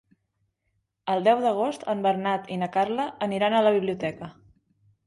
El deu d'agost en Bernat i na Carla aniran a la biblioteca.